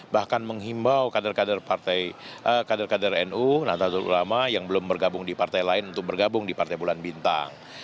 bahkan menghimbau kader kader nu nahdlatul ulama yang belum bergabung di partai lain untuk bergabung di partai bulan bintang